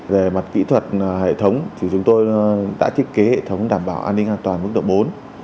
về mặt kỹ thuật hệ thống thì chúng tôi đã thiết kế hệ thống đảm bảo an ninh an toàn mức độ bốn